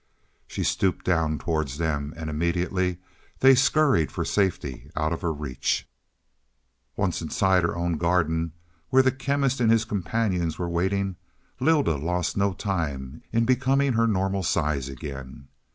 She stooped down towards them, and immediately they scurried for safety out of her reach. Once inside of her own garden, where the Chemist and his companions were waiting, Lylda lost no time in becoming her normal size again.